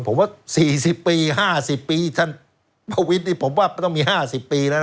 ผมว่า๔๐ปี๕๐ปีท่านประวิทย์นี่ผมว่าต้องมี๕๐ปีแล้วนะ